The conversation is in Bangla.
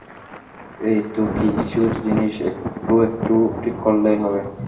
এই তো কিছু জিনিস একটু আকটু ঠিক করলেই হবে।